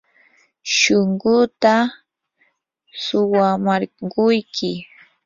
shunquuta suwamarquyki.